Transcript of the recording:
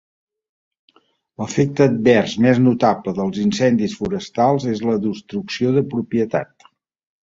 L'efecte advers més notable dels incendis forestals és la destrucció de propietat.